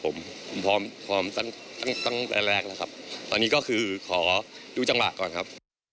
ผมพอตั้งแต่แรกนะครับตอนนี้ก็คือขอดูจังหลักก่อนครับ